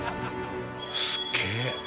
すっげえ！